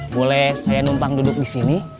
boleh saya numpang duduk disini